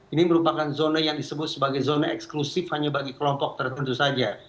ini merupakan zone yang disebut sebagai zone eksklusif hanya bagi kelompok tertentu saja